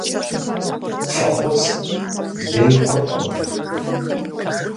ФӀэхъус лей хъуркъым.